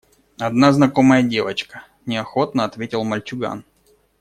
Одна знакомая девочка, – неохотно ответил мальчуган.